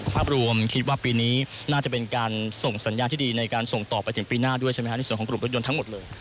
ภาพรวมคิดว่าปีนี้น่าจะเป็นการส่งสัญญาณที่ดีในการส่งต่อไปถึงปีหน้าด้วยใช่ไหมครับในส่วนของกลุ่มรถยนต์ทั้งหมดเลย